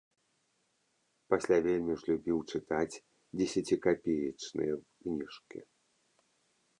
Пасля вельмі ж любіў чытаць дзесяцікапеечныя кніжкі.